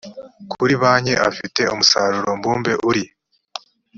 kuri banki afite umusaruro mbumbe uri